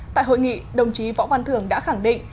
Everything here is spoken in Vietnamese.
tại hội nghị đồng chí võ văn thường đã khẳng định